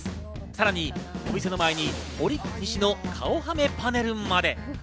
さらにお店の前にほりにしの顔はめパネルまで。